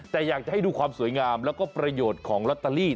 แต่อยากจะให้ดูความสวยงามแล้วก็ประโยชน์ของลอตเตอรี่